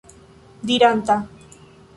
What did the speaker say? diranta